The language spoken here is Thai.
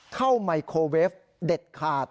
เข้าไมโครเวฟเด็ดขาด